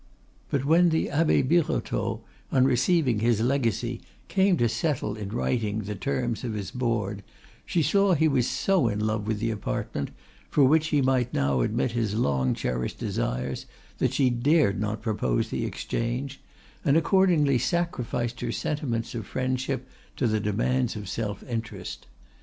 But when the Abbe Birotteau, on receiving his legacy, came to settle in writing the terms of his board she saw he was so in love with the apartment, for which he might now admit his long cherished desires, that she dared not propose the exchange, and accordingly sacrificed her sentiments of friendship to the demands of self interest.